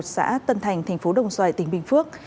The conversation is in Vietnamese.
xã tân thành thành phố đồng xoài tỉnh bình phước